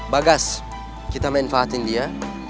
bagas kita manfaatin dia